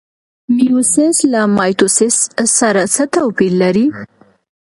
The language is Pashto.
میوسیس له مایټوسیس سره څه توپیر لري؟